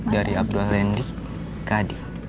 dari abdul randy ke adi